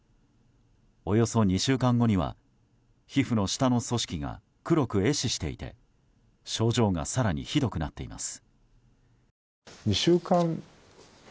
およそ２週間後には皮膚の下の組織が黒く壊死していて症状が更にひどくなっています。